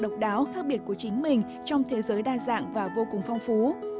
đó là một lý do đáo khác biệt của chính mình trong thế giới đa dạng và vô cùng phong phú